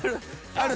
ある？